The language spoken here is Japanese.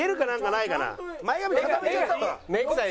前髪固めちゃった方が。